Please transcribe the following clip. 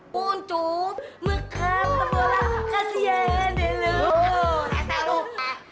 puncung mekam apolah kasian deluk